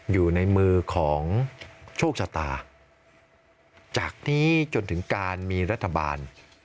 อยู่ในมือของโชคชะตาจากนี้จนถึงการมีรัฐบาล